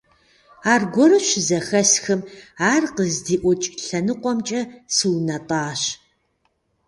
Аргуэру щызэхэсхым, ар къыздиӀукӀ лъэныкъуэмкӀэ сунэтӀащ.